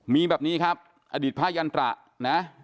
มีแบบนี้ครับอดีตพระยันตระนะ